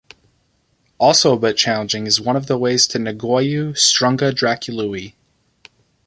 Also a bit challenging is one of the ways to Negoiu - Strunga Dracului.